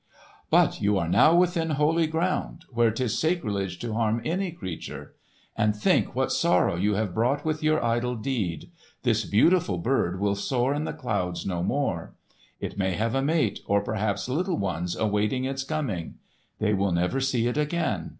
"But you are now within holy ground, where 'tis sacrilege to harm any creature. And think what sorrow you have brought with your idle deed. This beautiful bird will soar in the clouds no more. It may have a mate, or perhaps little ones awaiting its coming. They will never see it again."